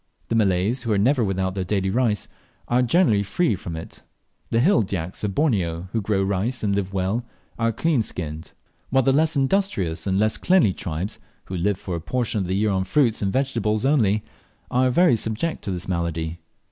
The Malays, who are never without their daily rice, are generally free from it; the hill Dyaks of Borneo, who grow rice and live well, are clean skinned while the less industrious and less cleanly tribes, who live for a portion of the year on fruits and vegetables only, are very subject to this malady.